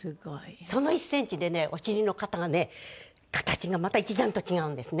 その１センチでねお尻の形がまた一段と違うんですね。